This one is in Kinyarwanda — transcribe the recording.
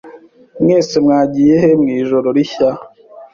Mwese mwagiyehe mu ijoro rishya?